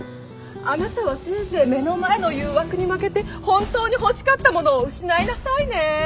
あなたはせいぜい目の前の誘惑に負けて本当に欲しかったものを失いなさいね。